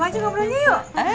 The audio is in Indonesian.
kaya ganda tuh